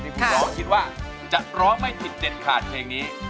คุณร้องคิดว่าจะร้องไม่ผิดเด็ดขาดเพลงนี้